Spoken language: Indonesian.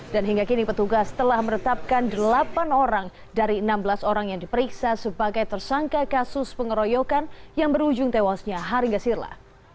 dan hingga kini petugas telah meretapkan delapan orang dari enam belas orang yang diperiksa sebagai tersangka kasus pengeroyokan yang berujung tewasnya hari ngesirla